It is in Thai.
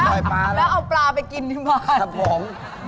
แล้วเอาปลาไปกินที่บ้าน